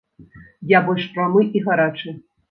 Я больш прамы і гарачы.